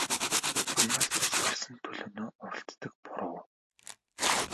Хамраас цус гарсан төлөөнөө уралцдаг буруу.